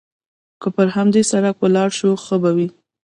که پر همدې سړک ولاړ شو، ښه به وي.